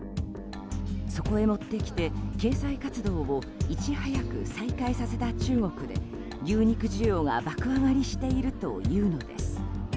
そこへもってきて経済活動をいち早く再開させた中国で牛肉需要が爆上がりしているというのです。